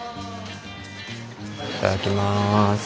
いただきます。